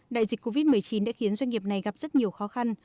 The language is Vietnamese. đại dịch covid một mươi chín đã khiến doanh nghiệp này gặp rất nhiều khó khăn